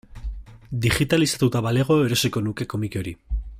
Digitalizatuta balego erosiko nuke komiki hori.